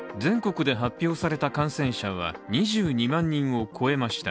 全国で発表された感染者は２２万人を超えました。